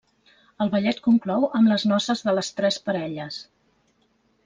El ballet conclou amb les noces de les tres parelles.